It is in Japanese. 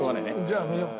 じゃあ見よう。